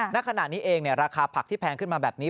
ณขณะนี้เองราคาผักที่แพงขึ้นมาแบบนี้